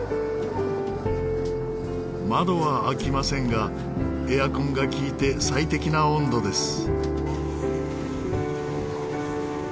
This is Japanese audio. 窓は開きませんがエアコンが効いて最適な温度です。